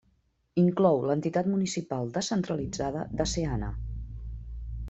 Inclou l'entitat municipal descentralitzada de Seana.